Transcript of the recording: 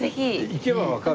行けばわかる？